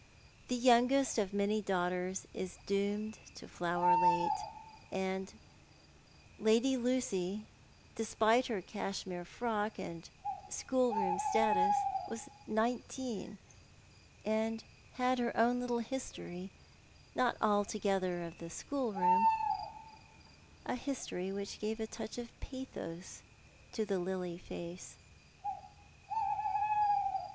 The youngcr*^ of many daughters is doomed to flower late, and Lady Lucy, despite her cashmere frock and schoolroom status, was nineteen ; and had her own little history, not altogether of the schoolroom ; a history which gave a touch of pathos to the lily face.